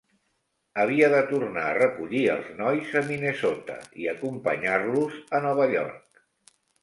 Havia de tornar a recollir els nois a Minnesota i acompanyar-los a Nova York.